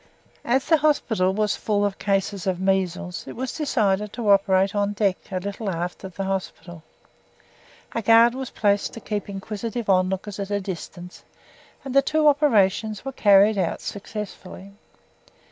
As the hospital was full of cases of measles, it was decided to operate on deck a little aft of the hospital. A guard was placed to keep inquisitive onlookers at a distance, and the two operations were carried out successfully.